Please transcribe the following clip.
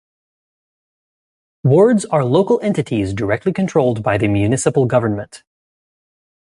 Wards are local entities directly controlled by the municipal government.